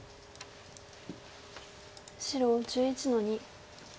白１１の二。